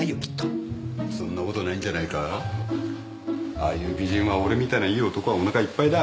ああいう美人は俺みたいないい男はおなかいっぱいだ。